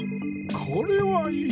これはいい！